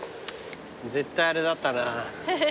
絶対あれだったな。